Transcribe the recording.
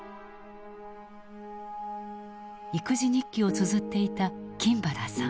育児日記をつづっていた金原さん。